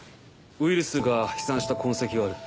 ウイルスが飛散した痕跡がある。